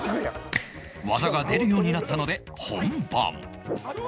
技が出るようになったので本番